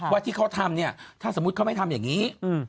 ว่าที่เขาทำเนี่ยถ้าสมมุติเขาไม่ทำอย่างนี้